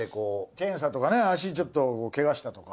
検査とかね足ちょっとケガしたとか。